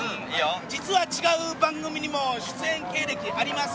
実は違う番組にも出演経歴あります。